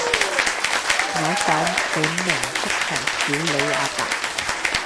我首本名曲係少理阿爸